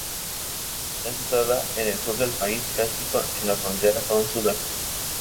Está situada en el sur del país, casi en la frontera con Sudáfrica.